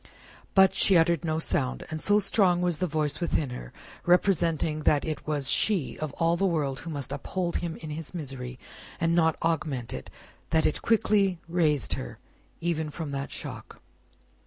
But, she uttered no sound; and so strong was the voice within her, representing that it was she of all the world who must uphold him in his misery and not augment it, that it quickly raised her, even from that shock.